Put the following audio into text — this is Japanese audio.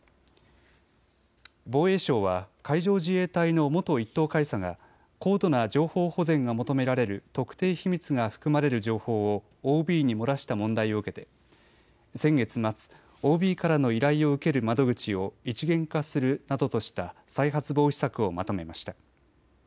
防衛省は海上自衛隊の元１等海佐が高度な情報保全が求められる特定秘密が含まれる情報をＯＢに漏らした問題を受けて先月末、ＯＢからの依頼を受ける窓口を一元化するなどとした再発防止策をまとめました。